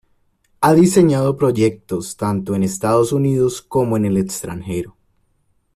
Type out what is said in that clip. Ha diseñado proyectos tanto en los Estados Unidos como en el extranjero.